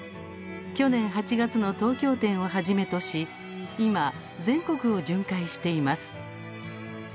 去年８月の東京展を始めとし今、全国を巡回しています。